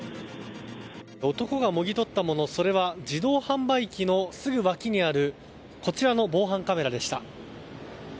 男がもぎ取ったものそれは自動販売機のすぐ脇にあるこちらの防犯カメラでした。